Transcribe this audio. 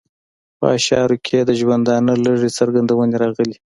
په اشعارو کې یې د ژوندانه لږې څرګندونې راغلې.